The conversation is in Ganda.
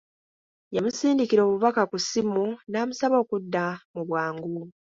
Yamusindikira obubaka ku ssimu n'amusaba okudda mu bwangu.